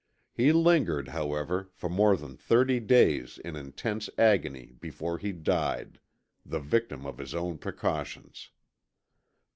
He lingered, however, for more than thirty days in intense agony before he died the victim of his own precautions.